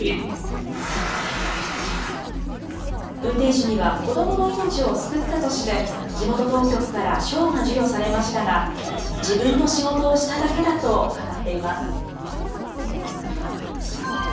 運転手には子どもの命を救ったとして、地元当局から賞が授与されましたが、自分の仕事をしただけだと語っています。